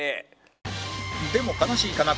でも悲しいかな